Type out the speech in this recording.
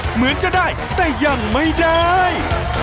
เหมือนจะได้แต่ยังไม่ได้